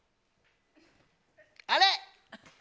あれ？